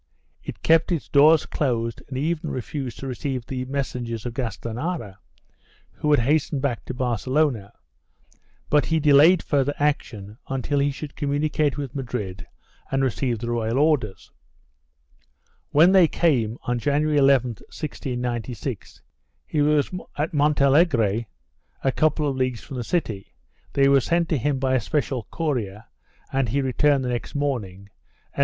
It kept its doors closed and even refused to receive the messengers of Gastanara, who had hastened back to Barcelona, but he delayed further action until he should communicate with Madrid and receive the royal orders. When they came, on January 11, 1696, he was at Montealegre, a couple of leagues from the city; they were sent to him by a special courier and he returned the next morning and 1 Archive g6n. de la C. de Aragon, Leg.